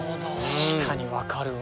確かに分かるわ。